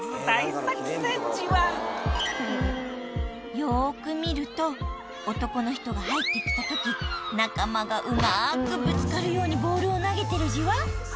よく見ると男の人が入って来た時仲間がうまくぶつかるようにボールを投げてるじわ。